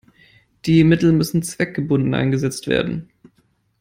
Die Mittel müssen zweckgebunden eingesetzt werden.